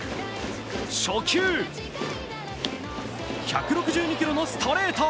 初球、１６２キロのストレート。